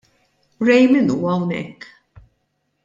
Ray min hu hawnhekk?